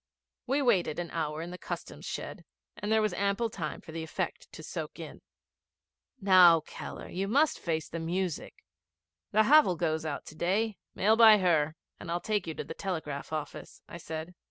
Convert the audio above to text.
We waited an hour in the Customs shed, and there was ample time for the effect to soak in. 'Now, Keller, you face the music. The Havel goes out to day. Mail by her, and I'll take you to the telegraph office,' I said.